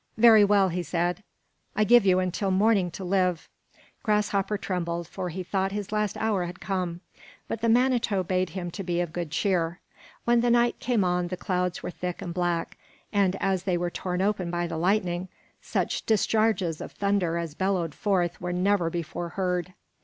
"Very well," he said, "I give you till morning to live." Grasshopper trembled, for he thought his last hour had come; but the Manito bade him to be of good cheer. When the night came on the clouds were thick and black, and as they were torn open by the lightning, such discharges of thunder as bellowed forth were never before heard.